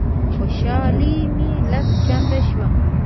خوشالي مي لس چنده شوه.